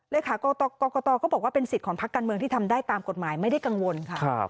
เลขากรกตก็บอกว่าเป็นสิทธิ์ของพักการเมืองที่ทำได้ตามกฎหมายไม่ได้กังวลค่ะ